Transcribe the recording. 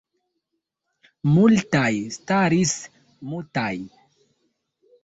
Multaj staris mutaj.